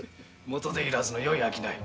元手いらずのよい商い。